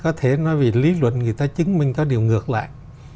có thể nói vì lý luận người ta chứng minh có điều ngược lại